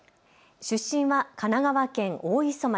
出身は神奈川県大磯町。